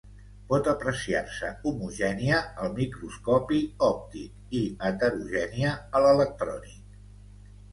Pot apreciar-se homogènia al microscopi òptic i heterogènia a l'electrònic.